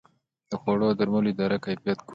د خوړو او درملو اداره کیفیت ګوري